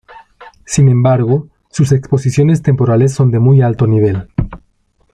Sin embargo, sus exposiciones temporales son de muy alto nivel.